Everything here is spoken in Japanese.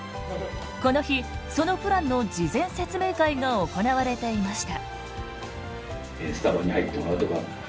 この日そのプランの事前説明会が行われていました。